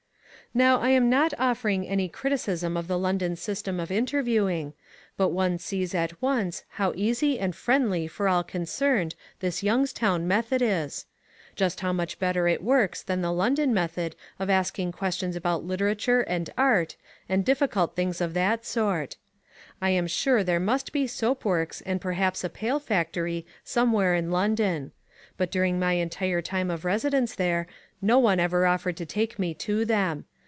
Now I am not offering any criticism of the London system of interviewing, but one sees at once how easy and friendly for all concerned this Youngstown method is; how much better it works than the London method of asking questions about literature and art and difficult things of that sort. I am sure that there must be soap works and perhaps a pail factory somewhere in London. But during my entire time of residence there no one ever offered to take me to them.